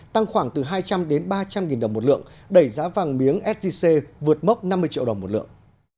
tăng khoảng từ hai trăm linh đến ba trăm linh nghìn đồng một lượng đẩy giá vàng miếng sgc vượt mốc năm mươi triệu đồng một lượng